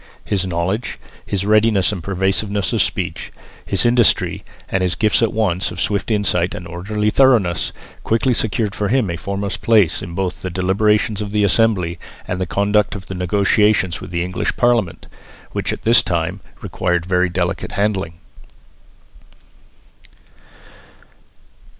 His knowledge, his readiness and persuasiveness of speech, his industry and his gifts at once of swift insight and orderly thoroughness, quickly secured for him a foremost place both in the deliberations of the Assembly and in the conduct of the negotiations with the English Parliament, which at this time required very delicate handling.